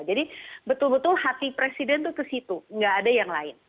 jadi betul betul hati presiden itu ke situ nggak ada yang lain